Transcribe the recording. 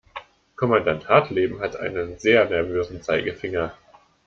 Kommandant Hartleben hat einen sehr nervösen Zeigefinger.